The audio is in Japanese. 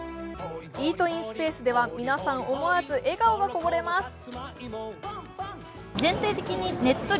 イートインスペースでは皆さん思わず笑顔がこぼれます。